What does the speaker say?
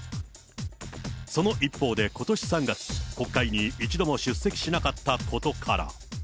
その一方で、ことし３月、国会に一度も出席しなかったことから。